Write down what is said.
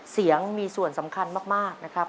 เสียงมีส่วนสำคัญมากนะครับ